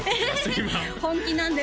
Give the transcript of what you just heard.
今本気なんです